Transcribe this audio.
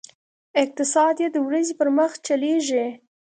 اقتصاد یې د ورځې پر مخ چلېږي.